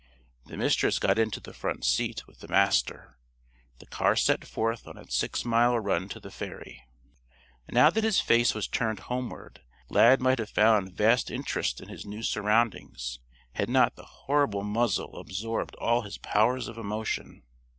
The Mistress got into the front seat with the Master. The car set forth on its six mile run to the ferry. Now that his face was turned homeward, Lad might have found vast interest in his new surroundings, had not the horrible muzzle absorbed all his powers of emotion.